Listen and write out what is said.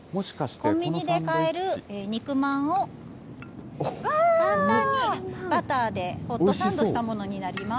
コンビニで買える肉まんを簡単にバターでホットサンドしたものになります。